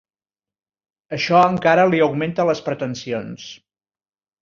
Això encara li augmenta les pretensions.